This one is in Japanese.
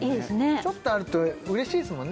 ちょっとあるとうれしいですもんね